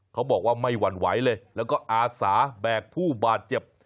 เขาบอกว่าไม่หวั่นไหวเลยแล้วก็อาสาแบกผู้บาดเจ็บ